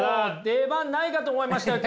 出番ないかと思いましたよ